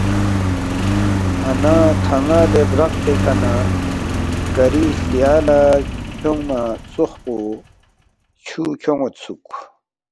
اَنا تھن٘ا دے برَق پیکھہ نہ کری ہلتیا لہ کھیونگما ژوخ پو چُھو کھیون٘یدسُوک